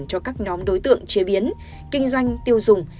cho các nhóm đối tượng chế biến kinh doanh tiêu dùng